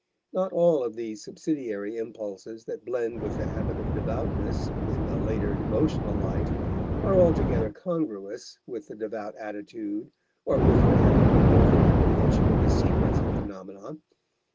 Not all of these subsidiary impulses that blend with the habit of devoutness in the later devotional life are altogether congruous with the devout attitude or with the anthropomorphic apprehension of the sequence of phenomena.